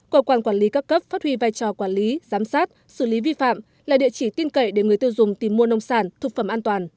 cơ quan quản lý các cấp phát huy vai trò quản lý giám sát xử lý vi phạm là địa chỉ tin cậy để người tiêu dùng tìm mua nông sản thực phẩm an toàn